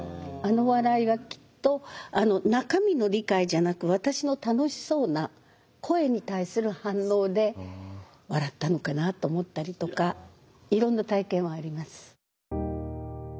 あの笑いはきっと中身の理解じゃなく私の楽しそうな声に対する反応で笑ったのかなと思ったりとかいろんな体験はあります。